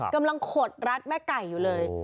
กำลังขดรัดแม่ไก่อยู่เลย